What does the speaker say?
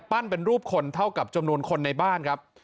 เป็นรูปคนเท่ากับจำนวนคนในบ้านครับ